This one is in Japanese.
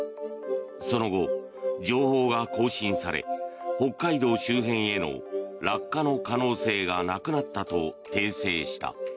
その後、情報が更新され北海道周辺への落下の可能性がなくなったと訂正した。